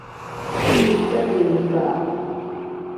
interlingvao